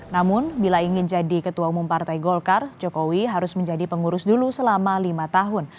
namun bila ingin jadi ketua umum partai golkar jokowi harus menjadi pengurus dulu selama lima tahun